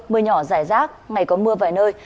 mưa nhỏ rải rác ngày có mưa vài nơi